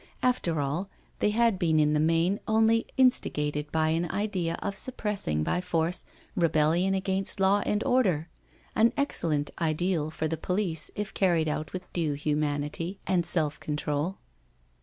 After all, they had been in the main only instigated by an idea of suppressing by force, rebellion against law and order, an excellent ideal for the police if car ried out with due humanity and self control.